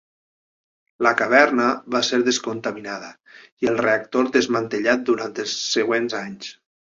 La caverna va ser descontaminada i el reactor desmantellat durant els següents anys.